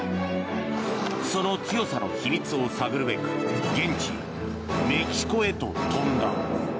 その強さの秘密を探るべく現地メキシコへと飛んだ。